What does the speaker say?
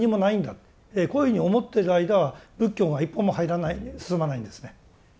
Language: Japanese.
こういうふうに思ってる間は仏教が一歩も入らない進まないんですね。